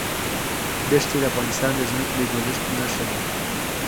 دښتې د افغانستان د ځمکې د جوړښت نښه ده.